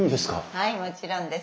はいもちろんです。